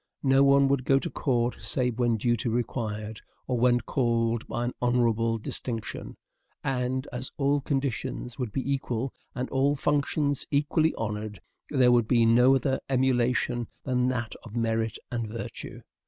No one would go to court save when duty required, or when called by an honorable distinction; and as all conditions would be equal and all functions equally honored, there would be no other emulation than that of merit and virtue.